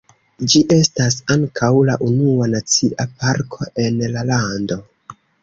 Ĝi estas ankaŭ la unua nacia parko en la lando.